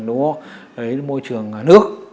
đấy là môi trường nước